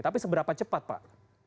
tapi seberapa cepat pak